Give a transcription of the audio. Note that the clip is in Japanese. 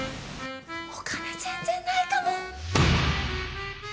お金全然ないかも。